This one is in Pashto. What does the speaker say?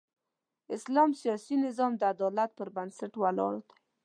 اسلام سیاسي نظام د عدالت پر بنسټ ولاړ دی.